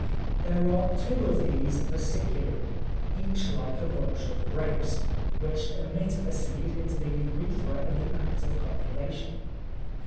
There are two of these vesiculae, each like a bunch of grapes, which emit the seed into the urethra in the act of copulation.